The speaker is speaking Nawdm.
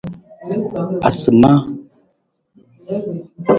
Asimaa.